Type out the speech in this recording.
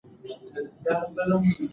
هغه وویل چې سبا به خامخا موږ سره وګوري.